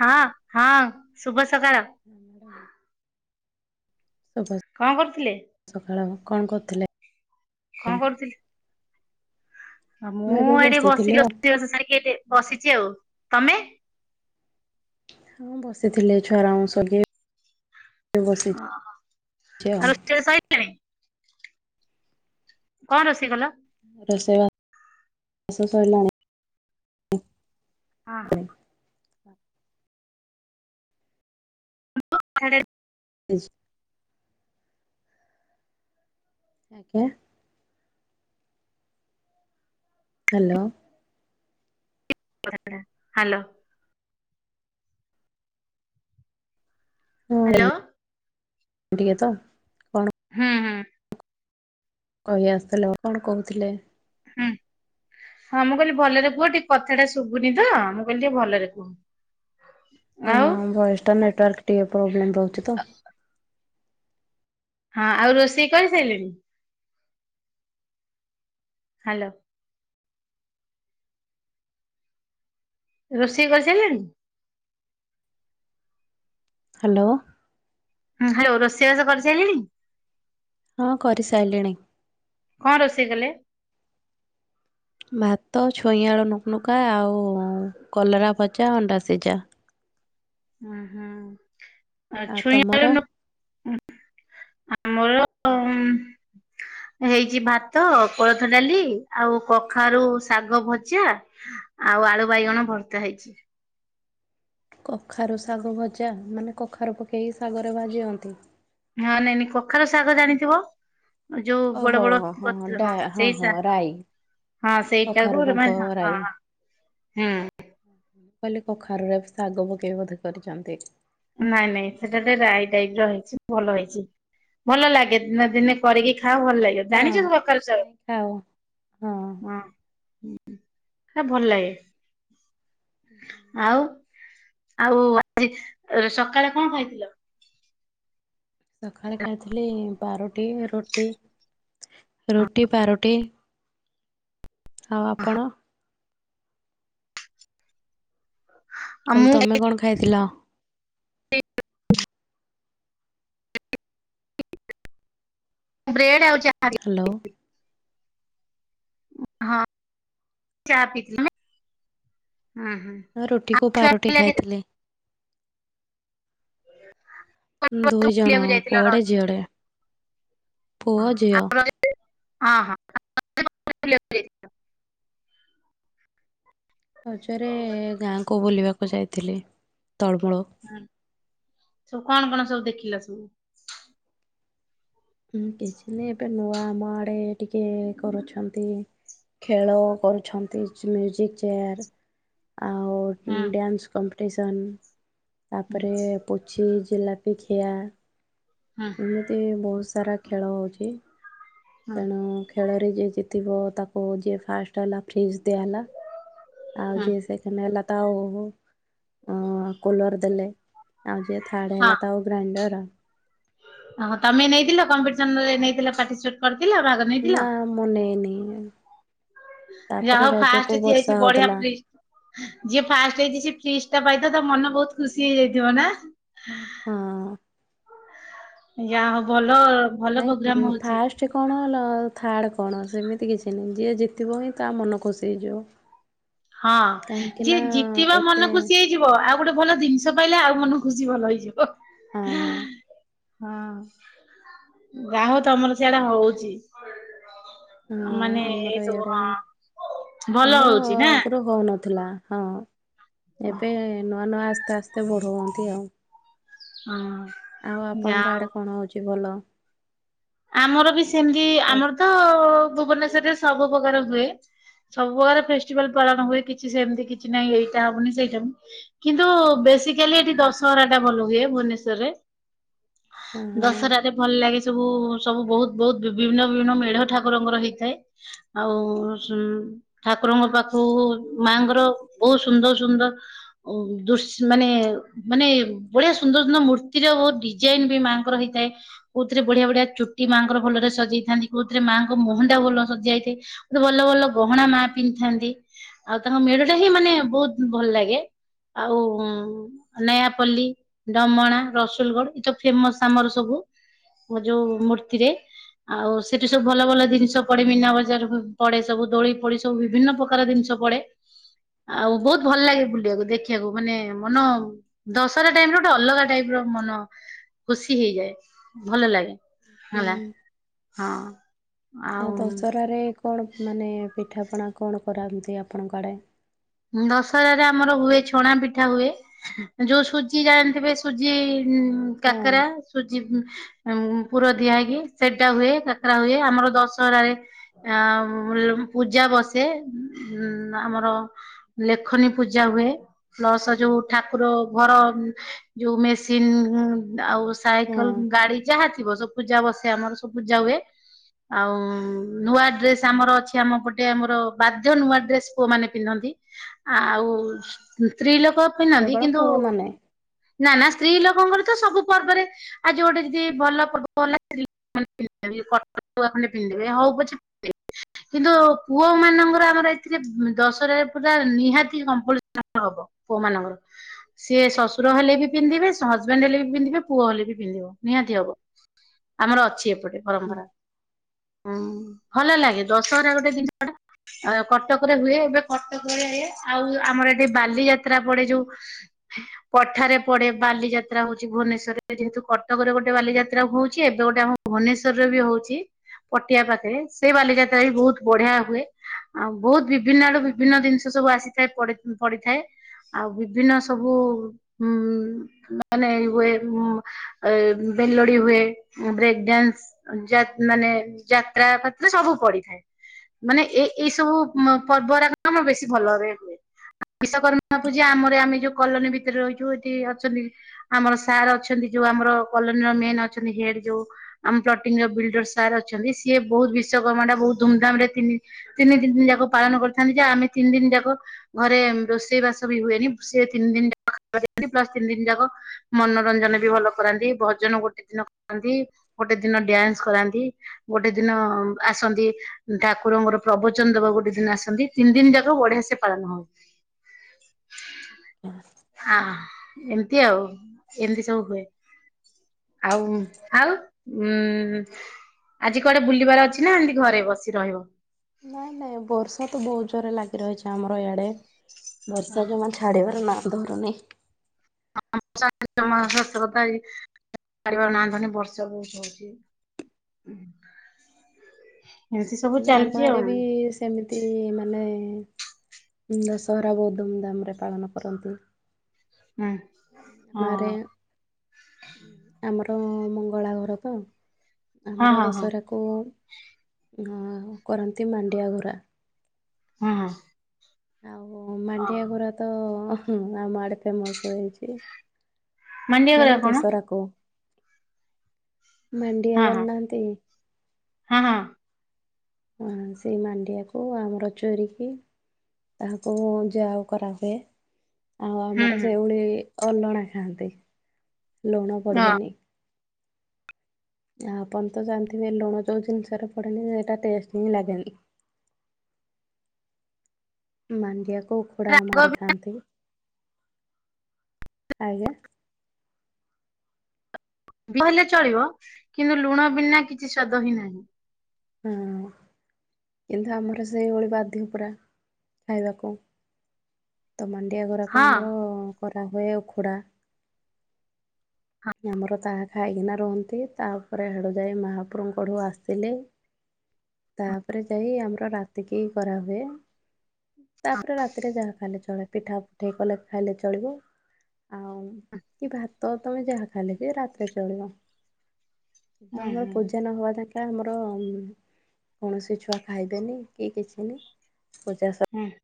ହଁ ହଁ ଶୁଭ ସକାଳ। ହଁ ମ୍ୟାଡ଼ାମ। ଶୁଭ କଣ କରୁଥିଲେ ସକାଳ କଣ କରୁଥିଲେ କଣ ଆଜ୍ଞା। କରୁଥିଲେ? ମୁଁ ଏବେ ଏଇଠି ବସିଥିଲି ବସିକିି ଆଉ ରୋଷେଇବାସ ସାରିକି ଏଠି ବସିଛି ଆଉ ତମେ। ମୁଁ ବସିଥିଲି ଏଇ ଛୁଆଉରାଙ୍କୁ ସଗେ ଅ ହ ଆଉ ରୋଷେଇବାସ ସଇଲାଣି। କଣ ରୋଷେଇ କଲ। [unintelligible] [inaudible] [inaudible] ଆଜ୍ଞା। ହ୍ୟାଲୋ। ହ୍ୟାଲୋ। ହ୍ୟାଲୋ [unintelligible] କଣ ହୁଁ ହୁଁ। କହି ଆସୁଥିଲେ ଆଉ କଣ କହୁଥିଲେ। ହୁଁ ହଁ ମୁଁ କହିଲି ଭଲରେ କୁହ ଟିକେ କଥାଟା ଶୁଭୁନି ତ ମୁଁ କହିଲି ଟିକେ ଭଲରେ କୁହ। ଆଉ ହଁ ଭଏସ୍ ଟା ନେଟୱାର୍କ ଟିକେ ପ୍ରୋବ୍ଲେମ ରହୁଛି ତ। ହଁ ଆଉ ରୋଷେଇ କରିସାଇଲେଣି। ହ୍ୟାଲୋ। ରୋଷେଇ କରିସାରିଲଣି? ହାଲୋ। ହୁଁ- ହାଲୋ ରୋଷେଇବାସ କରିସାରିଲେଣି? ହଁ କରିସାରିଲିଣି। କଣ ରୋଷେଇ କଲେ? ଭାତ, ଛୁଇଁ ଆଳୁ ନୁକ୍ ନୁକା, ଆଉ କଲରା ଭଜା, ଅଣ୍ଡା ସିଜା। ହୁଁ -ହୁଁ ଆଉ ଛୁଇଁ ଆଳୁ ନୁକ୍ ଆମର ଉଁ ହେଇଚି ଭାତ, କୋଳଥ ଡାଲି ଆଉ କଖାରୁ ଶାଗ ଭଜା ଆଉ ଆଳୁ ବାଇଗଣ ଭର୍ତା ହେଇଚି। କଖାରୁ ଶାଗ ଭଜା ମାନେ କଖାରୁ ପକେଇକି ଶାଗରେ ଭାଜିହନ୍ତି। ହଁ ନାଇଁ -ନାଇଁ କଖାରୁ ଶାଗ ଜାଣିଥିବ? ଯଉ ବଡ ଓହୋ -ବଡ ହଁ ପତ୍ର ଡା ହଁ ସେଇ ହଁ ଶା ରାଇ ହଁ କଖାରୁ ସେଇଟାକୁ ଡଙ୍କ ମାନେ ହଁ ରାଇ -ହଁ- ମୁଁ ହୁଁ। କହିଲି କଖାରୁରେ ଶାଗ ପକେଇ ବୋଧେ କରିଚନ୍ତି। ନାଇଁ ନାଇଁ ସେଟା ଟିକେ ରାଇ ଟାଇପ୍ ର ହେଇଚି ଭଲ ହେଇଚି ଭଲ ଲାଗେ ଦିନେ ଦିନେ କରିକି ଖାଅ ଭଲ ଲାଗିବ ହଁ। ଜାଣିଚ କଖାରୁ ଶାଗ- ନାଇଁ ଖାଉ ହଁ। ସେଟା ଭଲ୍ ଲାଗେ। ଆଉ -ଆଉ ଆଜି ସକାଳେ କଣ ଖାଇଥିଲ? ସକାଳେ ଖାଇଥିଲି ପାରୁଟି ରୁଟି -ରୁଟି ପାରୁଟି ଆଉ ଆପଣ? କହିଲି ମୁଁ ତମେ କଣ ଖାଇଥିଲ? [inaudible] [inaudible] ମୁଁ ବ୍ରେଡ୍ ଆଉ ଚା। ହାଲୋ। ହଁ ଚା ପିଇଥିଲି [inaudible] ଉ-ହୁଁ। ରୁଟିକୁ ପାରୁଟି ଖାଇଥିଲି। ଦୁଇଜଣ ବୁଲିବାକୁ ଯାଇଥିଲ ପୁଅଡେ ରଜ ଝିଅଡେ- ପୁଅ ଝିଅ। ଅଁ -ହଁ। ବୁଲିବାକୁ ଯାଇଥିଲ। ରଜରେ ଗାଁକୁ ବୁଲିବାକୁ ଯାଇଥିଲି ତଳମୂଳୁ। ହୁଁ ସବୁ କଣ କଣ ସବୁ ଦେଖିଲ ସବୁ? ହଁ କିଛି ନି ଏବେ ନୂଆ ଆମ ଆଡେ ଟିକେ କରୁଛନ୍ତି ଖେଳ କରୁଛନ୍ତି ମ୍ୟାଜିକ୍ ଚେୟାର୍ ଆଉ ହୁଁ ଡ୍ୟାନ୍ସ କମ୍ପିଟିସନ୍ ହୁଁ ତାପରେ ପୁଚି ଜିଲପି ଖିଆ ହୁଁ ଏମିତି ବହୁତ୍ ସା ସାରା ଖେଳ ହଉଚି ହୁଁ ତେଣୁ ଖେଳରେ ଯିଏ ଜିତିବ ତାକୁ ଯିଏ ଫାଷ୍ଟ୍ ହେଲା ଫ୍ରିଜ୍ ଦିଆହେଲା। ଆଉ ହୁଁ। ଯିଏ ସେକେଣ୍ଡ୍ ହେଲା ତା -ଉ ଅଁ-କୁଲର୍ ଦେଲେ ଆଉ ଯିଏ ଥାଡ୍ ହଁ ହେଲା ତାକୁ ଗ୍ରାଇଣ୍ଡର ହଁ ତମେ ନେଇଥିଲ କମ୍ପିଟିସନ ରେ ନେଇଥିଲ ପାର୍ଟିସିପେଟ୍ କରିଥିଲ ଭାଗ ନେଇଥିଲ? ନାଁ ମୁଁ ନେଇନି। ଯା ତାପରେ ହଉ ରଜକୁ ଫାଷ୍ଟେ ବର୍ଷା ହେଇଚି ବଢିଆ ହଉଥିଲା ଫ୍ରିଜ୍ ଯିଏ ଫାଷ୍ଟେ ହେଇଚି ସିଏ ଫ୍ରିଜ୍ ଟା ପାଇଥିବ ତା ମନ ବହୁତ୍ ଖୁସି ହେଇଯାଇଥିବ ନା। ହଁ। ଯା ହଉ ଭଲ ଭଲ ନାଇଁ ପ୍ରୋଗ୍ରାମ ଫାଷ୍ଟ୍ ହଉଛି। ଫାଷ୍ଟେ କଣ ଲ- ଥାର୍ଡ଼େ କଣ ସେମିତି କିଛି ନାହିଁ ଯିଏ ଜିତିବ ହିଁ ତା ମନ ଖୁସି ହେଇଯିବ। ହଁ କାହିଁକି ନା ଯିଏ ଜିତିବା ଏତେ ମନ ଖୁସି ହେଇ ଯିବ ଆଉ ଗୋଟେ ଭଲ ଜିନିଷ ପାଇଲେ ଆଉ ମନ ଖୁସି ଭଲ ହେଇଯିବ। ହଁ ହଁ ଯାହ ହୋଉ ତମର ସଆଡେ ହଉଚି। ହଁ ମାନେ ଆମର ଏଇସବୁ ଇଆଡ଼େ ହଁ ଭଲ ଆମର ହଉଛି ନା। ଆଗରୁ ହଉନଥିଲା ହଁ ଏବେ ନୂଆ ନୂଆ ଆସ୍ତେ ଆସ୍ତେ ଏତେ ବଢ଼ଉଅନ୍ତି ଆଉ, ହଁ ଆଉ ଯା ଆପଣଙ୍କ ହଉ। ଆଡ଼େ କଣ ହେଉଚି ଭଲ। ଆମର ବି ସେମିତି ପର ଆମର ତ ଭୁବନେଶ୍ଵରରେ ସବୁ ପ୍ରକାର ହୁଏ। ସବୁ ପ୍ରକାର ଫେଷ୍ଟିଭାଲ ପାଳନ ହୁଏ କିଛି ସେମିତି କିଛି ନାହିଁ ଏଇଟା ହବନି ସେଇଟା ମି କିନ୍ତୁ ବେସିକାଲି ଏଠି ଦଶହରା ଟା ଭଲ ହୁଏ ଭୁବନେଶ୍ଵରରେ। ହଁ ଦଶରାରେରେ ଭଲ ଲାଗେ ସବୁ। ସବୁ ବହୁତ ବହୁତ ବିଭିନ୍ନ ବିଭିନ୍ନ ମେଢ ଠାକୁରଙ୍କର ହେଇଥାଏ ଆଉ। ଠାକୁରଙ୍କ ପାଖକୁ ମାଙ୍କର ବହୁତ ସୁନ୍ଦର ସୁନ୍ଦର ଦୁଶ୍ ମାନେ ମାନେ ବଢିଆ ସୁନ୍ଦର ସୁନ୍ଦର ମୂର୍ତ୍ତିର ବୋହୁତ ଡି ଡିଯାଇନ୍ ମାଙ୍କର ହେଇଥାଏ କଉଥିରେ ବଢିଆ ବଢିଆ ଚୁ ଚୁଟି ମାଙ୍କର ଭଲରେ ସଜେଇଥାନ୍ତି କୋଉଥିରେ ମାଆଙ୍କ ମୁଁହ ଟା ଭଲ ସଯ୍ୟା ଇଥାଏ। ମତେ ଭଲ ଭଲ ଗହଣା ମା ପିନ୍ଧିଥାନ୍ତି ଆଉ ତାଙ୍କ ମେଢ ଟା ହିଁ ମାନେ ବୋହୁତ ଭଲ ଲାଗେ। ଆଉ ଉଁ। ନୟାପଲ୍ଲୀ, ଢ଼ମଣା, ରସୁଲଗଡ ଏଇ ତ ଫେମସ ଆମର ସବୁ। ମୁ ଯଉ ମୂର୍ତ୍ତ ଆଉ ସେଠି ସବୁ ଭଲ ଭଲ ଜିନିଷ ପଡେ ମୀନା ବଜାର ପଡେ ସବୁ ଦୋଳି ଫୋଳି ସବ୍ ସବୁ ବିଭିନ୍ନ ପ୍ରକାର ଜିନିଷ ପଡେ। ଆଉ ବୋହୁତ ଭଲ ଲାଗେ ବୁଲିବାକୁ ଦେଖିବାକୁ ମାନେ ମନ ଦଶହରା ଟାଇମ ର ଗୋଟେ ଅଲଗା ଟାଇପ ର ମନ ଖୁସି ହେଇଯାଏ ଭଲ ଲାଗେ। ହେଲା ହଁ। ଆଉ ଆ ଦଶରାରେ କଣ ମାନେ ପିଠାପଣା କଣ କରାନ୍ତି ଆପଣଙ୍କ ଆଡେ। ଦଶହରାରେ ଆମର ହୁଏ ଛଣା ପିଠା ହୁଏ ଯୋଉ ସୁଜି ଜାଣିଥିବେ। ସୁଜି ହଁ କାକରା ସୁଜି ଉଁ ପୁର ଦିଆ ହେଇକି ସେଟା ହୁଏ କାକରା ହୁଏ ଆମର ଦଶହରାରେ ଆଉଁ ପୂଜା ବସେ ଉଁ ଆମର। ଲେଖନୀ ପୂଜା ହୁଏ ପ୍ଲସ ଯୋଉ ଠାକୁର ଘର ଯୋଉ ମେସିନ ଆଉ ହଁ ସାଇକଲ, ଗାଡି ଯାହା ଥିବ ସବୁ ପୂଜା ବସେ ଆମର ସବୁ ପୂଜା ହୁଏ। ଆଉ ନୂଆ ଡ୍ରେସ ଆମର ଅଛି ଆମ ପଟେ ଆମର ବାଧ୍ୟ ନୂଆ ଡ୍ରେସ ପୁଅ ମାନେ ପିନ୍ଧନ୍ତି। ଆଉ ସ୍ତ୍ରୀ ଲୋକ ପିନ୍ଧନ୍ତି କେବଳ କିନ୍ତୁ। ପୁଅମାନେ। ନା ନା ସ୍ତ୍ରୀ ଲୋକଙ୍କର ତ ସବୁ ପର୍ବରେ ଆଜି ଗୋଟେ ଯଦି ଭଲ ପର୍ବ ହେଲା ମାନେ ପିନ୍ଧିବେ କଟୁଆ ଖଣ୍ଡେ ପିନ୍ଧିବେ ହଉ ପଛେ ପିନ୍ଧିବେ। କିନ୍ତୁ ପୁଅ ମାନଙ୍କର ଆମର ଏଥିରେ ଦଶରାରେ ପୁରା ନିହାତି କମ୍ପଲ୍ସରୀ ହବ ପୁଅ ମାନଙ୍କର ସିଏ ଶଶୁର ହେଲେ ବି ପିନ୍ଧିବେ ହଜବେଣ୍ଡ ହେଲେ ବି ପିନ୍ଧିବେ ପୁଅ ହେଲେ ବି ପିନ୍ଧିବ ନିହାତି ହବ ଆମର ଅଛି ଏପଟେ ପରମ୍ପରା। ହୁଁ ଭଲ ଲାଗେ ଦଶହରା ଗୋଟେ ଜିନିଷଟା କଟକରେ ହୁଏ ଏବେ କଟକରେ ଆଉ ଆମର ଏଠି ବାଲି ଯାତ୍ରା ପଡ଼େ ଯୋଉ ହ [unintelligible] ପଠାରେ ପଡ଼େ ବାଲିଯାତ୍ରା ହଉଛି ଭୁବନେଶ୍ୱରରେ ଯେହେତୁ କଟକରେ ଗୋଟେ ବାଲିଯାତ୍ରା ହଉଛି ଏବେ ଗୋଟେ ଭୁବନେଶ୍ଵରରେ ବି ହଉଛି। ପଟିଆ ପାଖରେ ସେ ବାଲିଯାତ୍ରା ବି ବହୁତ ବଢ଼ିଆ ହୁଏ ଆଉ ବହୁତ ବିଭିନ୍ନ ଆଡୁ ବିଭିନ୍ନ ବିଭିନ୍ନ ଜିନିଷ ସବୁ ଆସିଥାଏ ପଡ଼ି ପଡ଼ିଥାଏ। ଆଉ ବିଭିନ୍ନ ସବୁ ଉଁ ମାନେ ଏଇଭଳିଆ ନୁହଁ ବେଲୋଡି ହୁଏ ବ୍ରେକ୍ ଡ୍ୟାନ୍ସ ଯାତ୍ ମାନେ ଯାତ୍ରା ଫାତ୍ରା ସବୁ ପଡ଼ିଥାଏ। ମାନେ ଏ ଏଇ ସବୁ ପର୍ବରା କାମ ବେଶୀ ଭଲ ଭାବରେ ହୁଏ। ବିଶ୍ଵକର୍ମା ପୂଜା ଆମର ଆମେ ଯୋଉ କଲୋନୀ ଭିତରେ ରହିଛୁ ଏଠି ଅଛନ୍ତି ଆମର ସାର୍ ଅଛନ୍ତି ଯୋଉ ଆମର କଲୋନୀର ମେନ୍ ଅଛନ୍ତି ହେଡ ଯୋଉ ଆମ ପ୍ଲଟିଂ ର ବିଲଡର ସାର୍ ଅଛନ୍ତି ସିଏ ବହୁତ୍ ବିଶ୍ଵକର୍ମା ଟା ବହୁତ୍ ଧୁମ୍ ଧାମ୍ ରେ ତିନି ତିନି ଦିନ ଯାକ ପାଳନ କରିଥାନ୍ତି ଯେ ଆମେ ତିନି ଦିନ ଯାକ ଘରେ ରୋଷେଇ ବାସ ବି ହୁଏନି ସିଏ ତିନି ଦିନ ଯାକ ଖାଇବାକୁ ଦିଅନ୍ତି ପ୍ଲସ ତିନି ଦିନ ଯାକ ମନୋରଞ୍ଜନ ବି ଭଲ କରାନ୍ତି ଭଜନ ଗୋଟେ ଦିନ କରାନ୍ତି ଗୋଟେ ଦିନ ଡ୍ୟାନ୍ସ କରାନ୍ତି। ଗୋଟେ ଦିନ ଆସନ୍ତି ଠାକୁରଙ୍କର ପ୍ରବଚନ ଦେବାକୁ ଗୋଟେ ଦିନ ଆସନ୍ତି। ତିନି ଦିନ ଯାକ ବଢ଼ିଆ ସେ ପାଳନ ହୁଏ। ବାସ୍ ଏମିତି ଆଉ ଏମିତି ସବୁ ହୁଏ। ଆଉ ଆଉ ଉଁ ଆଜି କୁଆଡ଼େ ବୁଲିବାର ଅଛି ନା ଏମିତି ଘରେ ବସି ରହିବ। ନାଇଁ ନାଇଁ ବର୍ଷା ତ ବହୁତ ଜୋରରେ ଲାଗି ରହିଛି ଆମର ଏ ଆଡ଼େ ବର୍ଷା ଯୋଉ ମାନେ ଛାଡ଼ିବାର ନାଁ ଧରୁନି। ବର୍ଷା ଜମା ସତ କଥା ଏଇ ଛାଡ଼ିବାର ନାଁ ଧରୁନି ବର୍ଷା ତ ବହୁତ ହଉଚି। ଏମିତି ସବୁ ଚାଲିଛି ଆମ ଆଉ ଆଡ଼େ ବି ହୁଁ ସେ ସେମିତି ମାନେ ଦଶହରା ବହୁତ ଧୁମ୍‌ଧାମରେ ପାଳନ କରନ୍ତି। ହୁଁ। ଗାଁରେ ଆମର ମଙ୍ଗଳା ଘର ତ। ଆମର ହଁ ହଁ ଦଶହରାକୁ କରନ୍ତି ମାଣ୍ଡିଆ ଗୁରା। ହଁ। ଆଉ ଅ ମାଣ୍ଡିଆ ଘୁରା ତ ଆମ ଆଡ଼େ ଫେମସ୍ ହେଇଛି। ମାଣ୍ଡିଆ ଗରା ମାନେ କଣ ଦଶହରାକୁ ମାଣ୍ଡିଆ ହଁ ହଁ ଜାଣି ନାହାନ୍ତି। ହଁ ହଁ। ସେଇ ମାଣ୍ଡିଆକୁ ଆମର ଚୋରିକି ତାହାକୁ ଯାଉ କରାହୁଏ ଆଉ ହୁଁ ଆମର ହୁଁ ସେଇଭଳି ଅଲଣା ଖାଆନ୍ତି ଲୁଣ ହଁ ପଡ଼ିବନି। ଆପଣ ତ ଜାଣିଥିବେ ଲୁଣ ଯେଉଁ ଜିନିଷରେ ପଡ଼େନି ସେଟା ଟେଷ୍ଟ ହିଁ ଲାଗେନି। ମାଣ୍ଡିଆକୁ ଉଖୁଡ଼ା ଆମ ରାଗ ଆଡ଼େ ଖାଆନ୍ତି। ଆଜ୍ଞା। ଭଲେ ଚଳିବ କିନ୍ତୁ ଲୁଣ ବିନା କିଛି ସ୍ବାଦ ହିଁ ନାହିଁ। ହଁ। କିନ୍ତୁ ଆମର ସେଇଭଳି ବାଧ୍ୟ ପରା ଖାଇବାକୁ। ତ ମାଣ୍ଡିଆ ଘରାକୁ ହଁ ଆମର କରାହୁଏ ଉଖୁଡ଼ା। ହଁ ଆମର ତାହା ଖାଇକିନା ରୁହନ୍ତି ତାପରେ ହାଡ଼ୁ ଯାଇ ମାହାପ୍ରଭଙ୍କଡୁ ଆସିଲେ ତାହାପରେ ଯାଇ ଆମର ରାତିକି କରାହୁଏ। ତାପରେ ରାତିରେ ଯାହା ଖାଇଲେ ଚଳେ ପିଠା ପୁଠେ କଲେ ଖାଇଲେ ଚଳିବ। ଆଉ କି ଭାତ ତମେ ଯାହା ଖାଇଲେ ବି ରାତିରେ ଚଳିବ। ତ ହୁଁ ଆମର ହୁଁ ପୂଜା ନହବା ଯାଙ୍କେ ଆମର କୌଣସି ଛୁଆ ଖାଇବେନି କି କିଛି ନି ପୂଜା ସ ହୁଁ।